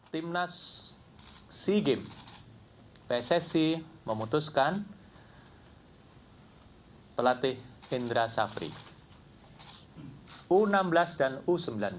timnas seagame pssi memutuskan pelatih indra syafri u enam belas dan u sembilan belas